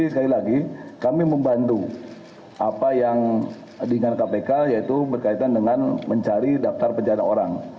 sekali lagi kami membantu apa yang diingat kpk yaitu berkaitan dengan mencari daftar pencarian orang